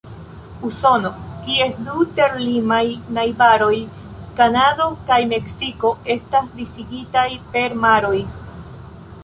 Usono, kies du ter-limaj najbaroj, Kanado kaj Meksiko, estas disigitaj per maroj.